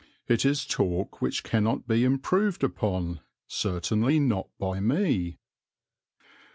It is talk which cannot be improved upon, certainly not by me.